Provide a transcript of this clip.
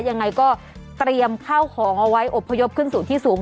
ยังไงก็เตรียมข้าวของเอาไว้อบพยพขึ้นสู่ที่สูง